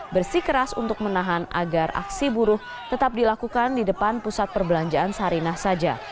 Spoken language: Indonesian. bersikeras untuk menahan agar aksi buruh tetap dilakukan di depan pusat perbelanjaan sarinah saja